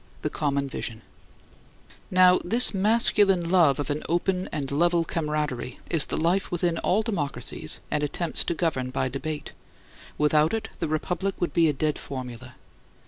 THE COMMON VISION Now this masculine love of an open and level camaraderie is the life within all democracies and attempts to govern by debate; without it the republic would be a dead formula.